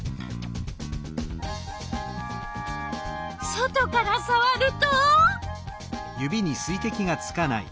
外からさわると？